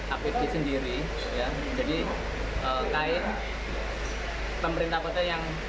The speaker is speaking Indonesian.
jadi ini adalah proses yang sangat penting